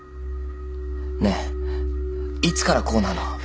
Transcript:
ねえいつからこうなの？